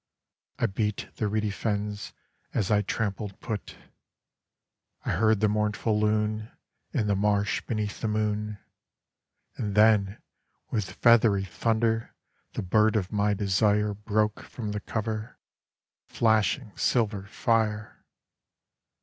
I beat the reedy fens as I trampled put.I heard the mournful loonIn the marsh beneath the moon. And then, with feathery thunder, the bird of my desireBroke from the coverFlashing silver fire.